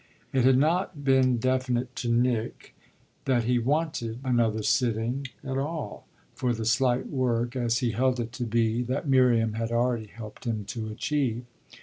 It had not been definite to Nick that he wanted another sitting at all for the slight work, as he held it to be, that Miriam had already helped him to achieve.